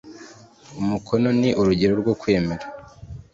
Umukono ni urugero rwo kwemera